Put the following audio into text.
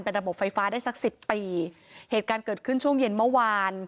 ระบบไฟฟ้าได้สักสิบปีเหตุการณ์เกิดขึ้นช่วงเย็นเมื่อวาน